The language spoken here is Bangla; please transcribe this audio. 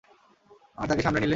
আর তাকে সামলে নিলে?